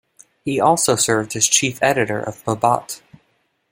He also served as chief editor of Mabat.